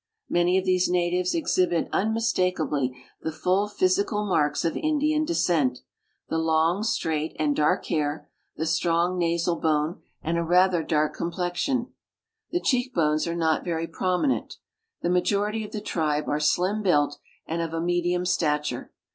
Many of these natives exhibit unmistakably the full physical marks of Indian descent — the long, straight, and dark hair, the strong nasal bone, and a rather dark complexion. The cheek bones are not very prominent. The majority of the tribe are slim built and of a medium stature.